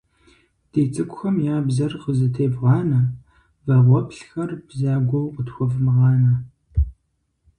Ди цӀыкӀухэм я бзэр къызэтевгъанэ, вагъуэплъхэр бзагуэу къытхуэвмыгъанэ.